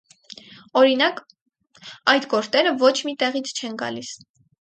Օրինակ՝ (...) այդ գորտերը ոչ մի տեղից չեն գալիս։